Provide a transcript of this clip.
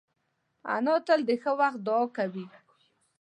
انا تل د ښه وخت دعا کوي